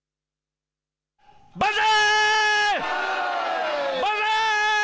万歳。